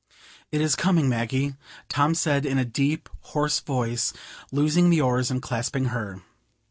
"It is coming, Maggie!" Tom said, in a deep, hoarse voice, loosing the oars, and clasping her.